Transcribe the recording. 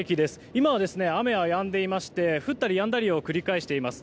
今は雨はやんでいまして降ったりやんだりを繰り返しています。